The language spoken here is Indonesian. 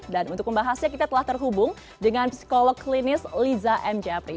dan untuk membahasnya kita telah terhubung dengan psikolog klinis liza m jafri